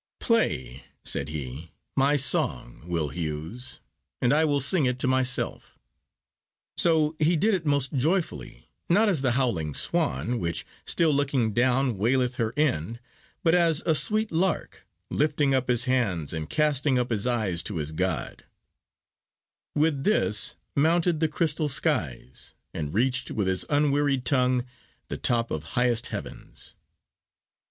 "Play," said he, "my song, Will Hewes, and I will sing it to myself." So he did it most joyfully, not as the howling swan, which, still looking down, waileth her end, but as a sweet lark, lifting up his hands and casting up his eyes to his God, with this mounted the crystal skies, and reached with his unwearied tongue the top of highest heavens.